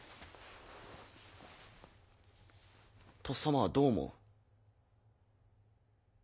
とっさまはどう思う？